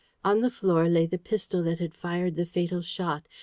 On the floor lay the pistol that had fired the fatal shot.